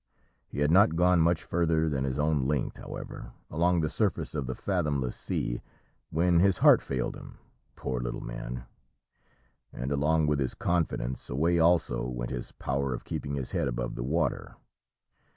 He had not gone much further than his own length, however, along the surface of the fathomless sea, when his heart failed him, poor little man; and along with his confidence away also went his power of keeping his head above the water.